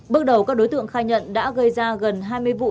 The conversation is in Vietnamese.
bước đầu các đối tượng khai nhận đã gây ra gần hai mươi vụ